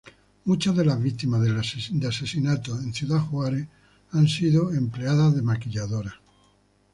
Muchas de las víctimas de asesinato en Ciudad Juárez han sido empleadas de maquiladoras.